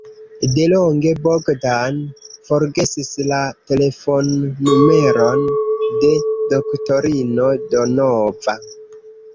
Delonge Bogdan forgesis la telefonnumeron de doktorino Donova.